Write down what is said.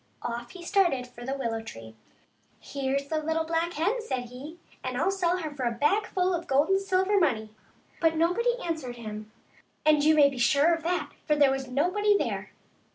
Off he started for the willow tree. " Here's the little black hen," said he, " and I'll sell her for a bagful of gold and silver money." But nobody answered him ; and you may be sure of that, for there was nobody .there.